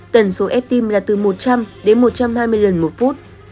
tần số ép tim là từ một trăm linh đến một trăm hai mươi lần một phút